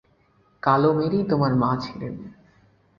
কালো মেরিই তোমার মা ছিলেন।